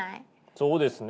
そうですね。